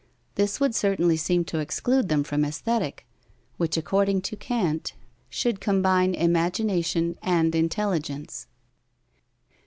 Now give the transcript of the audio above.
This would certainly seem to exclude them from Aesthetic, which, according to Kant, should combine imagination and intelligence.